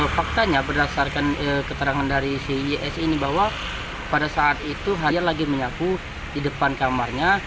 faktanya berdasarkan keterangan dari si ys ini bahwa pada saat itu haya lagi menyapu di depan kamarnya